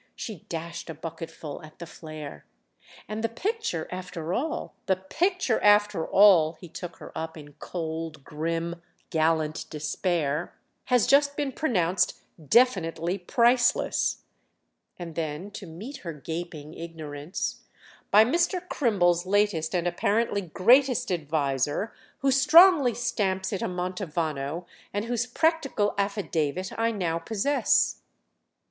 —she dashed a bucketful at the flare. "And the picture after all——!" "The picture after all"—he took her up in cold grim gallant despair—"has just been pronounced definitely priceless." And then to meet her gaping ignorance: "By Mr. Crimble's latest and apparently greatest adviser, who strongly stamps it a Mantovano and whose practical affidavit I now possess."